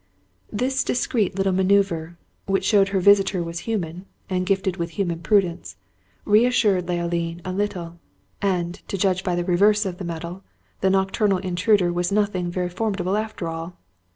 This discreet little manoeuvre, which showed her visitor was human, and gifted with human prudence, re assured Leoline a little; and, to judge by the reverse of the medal, the nocturnal intruder was nothing very formidable after all.